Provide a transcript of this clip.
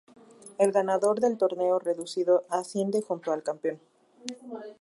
El ganador del "torneo reducido" asciende junto al campeón.